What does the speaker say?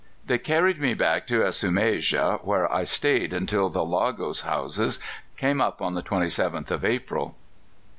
They carried me back to Esumeja, where I stayed until the Lagos Hausas came up on the 27th of April."